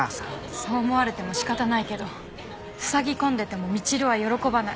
そう思われても仕方ないけど塞ぎ込んでてもみちるは喜ばない。